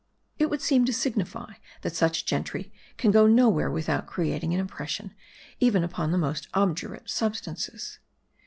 It would seem to signify, that such gentry can go nowhere without creating an impression ; even upon the most obdurate substances.